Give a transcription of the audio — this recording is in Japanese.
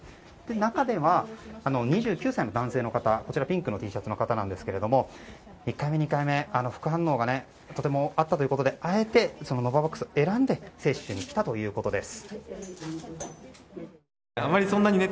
中では、２９歳の男性の方ピンクのＴシャツの方なんですが１回目、２回目は副反応がとてもあったということであえてノババックスを選んで接種に来たということです。